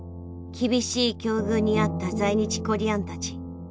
厳しい境遇にあった在日コリアンたち。